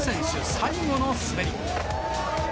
最後の滑り。